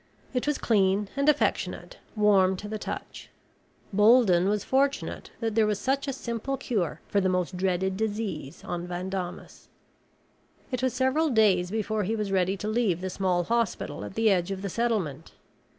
It was clean and affectionate, warm to the touch. Bolden was fortunate that there was such a simple cure for the most dreaded disease on Van Daamas. It was several days before he was ready to leave the small hospital at the edge of the settlement.